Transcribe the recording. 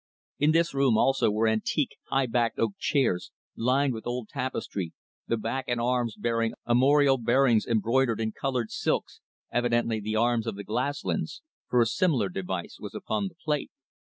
In this room also were antique high backed oak chairs, lined with old tapestry, the back and arms bearing armorial bearings embroidered in coloured silks, evidently the arms of the Glaslyns, for a similar device was upon the plate.